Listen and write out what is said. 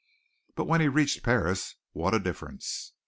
But when he reached Paris, what a difference!